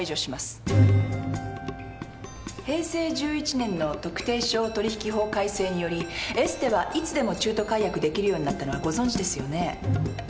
平成１１年の特定商取引法改正によりエステはいつでも中途解約できるようになったのはご存じですよね？